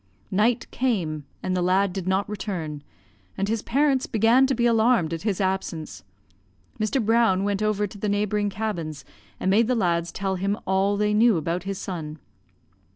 "Night came, and the lad did not return, and his parents began to be alarmed at his absence. Mr. Brown went over to the neighbouring cabins, and made the lads tell him all they knew about his son.